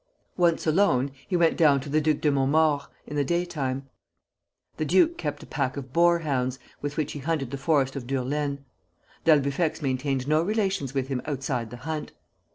Once alone, he went down to the Duc de Montmaur's, in the daytime. The duke kept a pack of boar hounds, with which he hunted the Forest of Durlaine. D'Albufex maintained no relations with him outside the hunt.